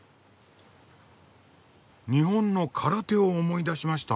日本の空手を思い出しました。